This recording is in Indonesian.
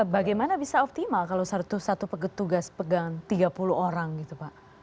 bagaimana bisa optimal kalau satu petugas pegang tiga puluh orang gitu pak